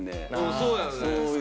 そうやんね。